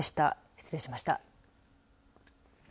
失礼しました。